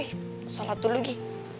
udah bi sholat dulu gi